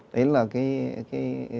đấy là cái